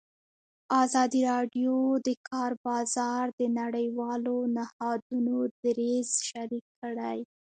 ازادي راډیو د د کار بازار د نړیوالو نهادونو دریځ شریک کړی.